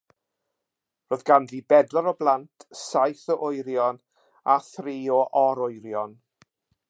Roedd ganddi bedwar o blant, saith o wyrion a thri o or-wyrion.